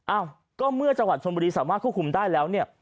อ้าวก็เมื่อจังหวัดชนบุรีสามารถควบคุมได้แล้วเนี่ย